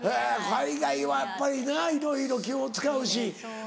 海外はやっぱりないろいろ気を使うし。